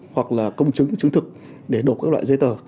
hoặc là công chứng chứng thực để nộp các loại giấy tờ